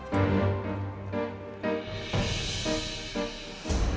aku mau pake ikat pinggang yang jelek itu